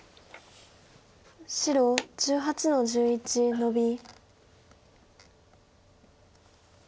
白１８の十一ノビ。